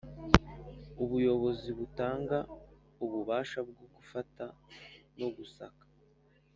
Ubuyobozi butanga ububasha bwo gufata no gusaka